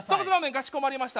かしこまりました。